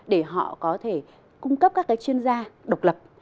để họ có thể cung cấp các cái chuyên gia độc lập